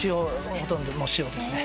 ほとんどもう塩ですね